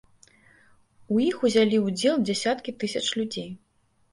У іх узялі ўдзел дзясяткі тысяч людзей.